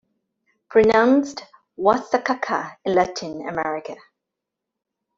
Pronounced "wasakaka" in Latin America.